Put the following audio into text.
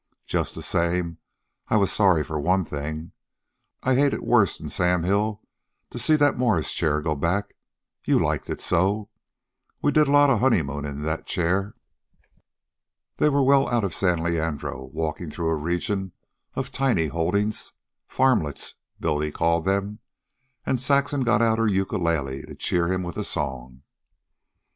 Just the same I was sorry for one thing. I hated worse 'n Sam Hill to see that Morris chair go back you liked it so. We did a lot of honeymoonin' in that chair." They were well out of San Leandro, walking through a region of tiny holdings "farmlets," Billy called them; and Saxon got out her ukulele to cheer him with a song.